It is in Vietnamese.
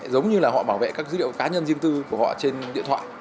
giống như là họ bảo vệ các dữ liệu cá nhân riêng tư của họ trên điện thoại